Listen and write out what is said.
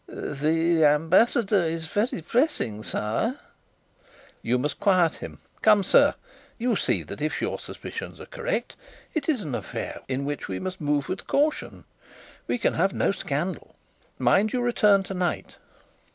"The Ambassador is very pressing, sir." "You must quiet him. Come, sir; you see that if your suspicions are correct, it is an affair in which we must move with caution. We can have no scandal. Mind you return tonight."